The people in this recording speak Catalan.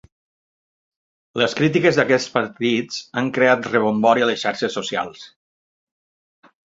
Les crítiques d’aquests partits han creat rebombori a les xarxes socials.